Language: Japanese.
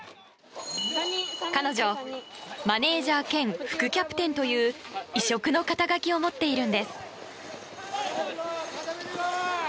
彼女、マネジャー兼副キャプテンという異色の肩書きを持っているんです。